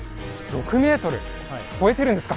超えてるんですか！